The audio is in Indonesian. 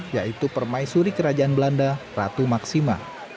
yaitu permaisuri kerajaan belanda ratu maksima